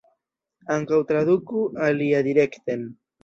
Ankaŭ traduku aliadirekten.